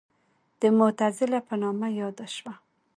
د معتزله په نامه یاده شوه.